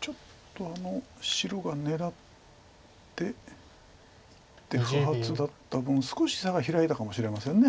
ちょっと白が狙って不発だった分少し差が開いたかもしれません。